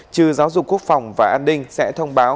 trừ giáo dục quốc phòng và an ninh sẽ thông báo